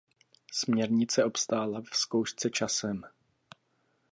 Směrnice obstála v zkoušce časem.